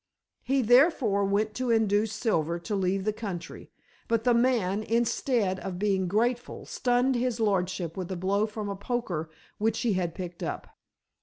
He therefore went to induce Silver to leave the country, but the man, instead of being grateful, stunned his lordship with a blow from a poker which he had picked up."